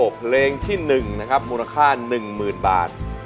เพลงที่๑มูลค่า๑๐๐๐๐บาท